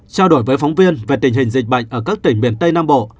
trao đổi với phóng viên về tình hình dịch bệnh ở các tỉnh miền tây nam bộ